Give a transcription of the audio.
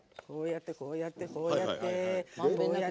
「こうやって、こうやって」